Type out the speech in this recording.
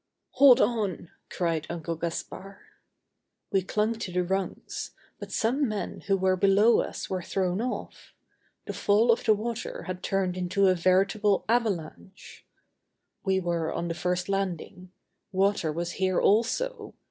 "Hold on," cried Uncle Gaspard. We clung to the rungs. But some men who were below us were thrown off. The fall of water had turned into a veritable avalanche. We were on the first landing. Water was here also.